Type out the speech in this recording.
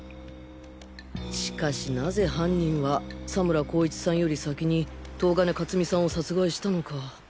しかしなぜ犯人は佐村功一さんより先に東金勝美さんを殺害したのか。